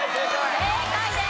正解です。